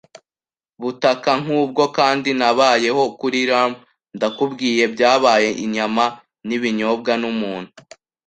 butaka nkubwo? - kandi nabayeho kuri rum, ndakubwiye. Byabaye inyama n'ibinyobwa, numuntu